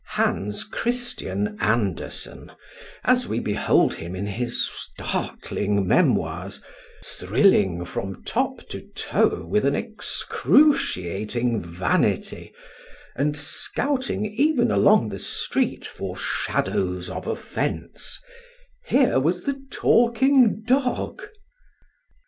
Hans Christian Andersen, as we behold him in his startling memoirs, thrilling from top to toe with an excruciating vanity, and scouting even along the street for shadows of offence here was the talking dog.